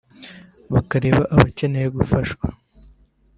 bakareba abakeneye gufashwa